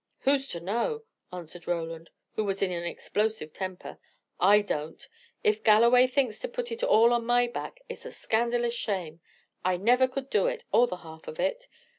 "Who's to know?" answered Roland, who was in an explosive temper. "I don't. If Galloway thinks to put it all on my back, it's a scandalous shame! I never could do it, or the half of it.